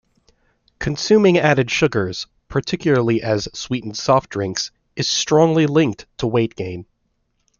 Consuming added sugars, particularly as sweetened soft drinks, is strongly linked to weight gain.